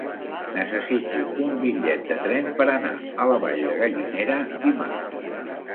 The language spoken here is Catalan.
Necessito un bitllet de tren per anar a la Vall de Gallinera dimarts.